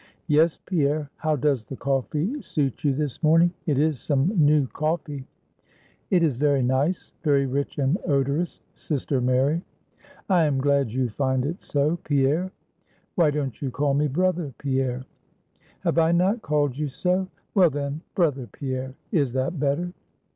"Yes, Pierre. How does the coffee suit you this morning? It is some new coffee." "It is very nice; very rich and odorous, sister Mary." "I am glad you find it so, Pierre." "Why don't you call me brother Pierre?" "Have I not called you so? Well, then, brother Pierre, is that better?"